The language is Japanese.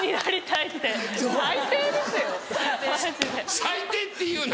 最低って言うな！